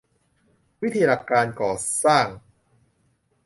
หลักวิธีการก่อสร้าง